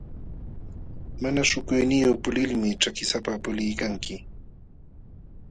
Mana hukuyniyuq pulilmi ćhakisapa puliykanki.